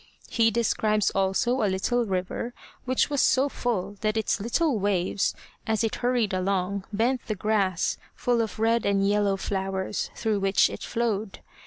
He describes also a little river which was so full that its little waves, as it hurried along, bent the grass, full of red and yellow flowers, through which it flowed.